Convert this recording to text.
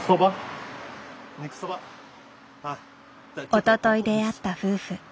おととい出会った夫婦。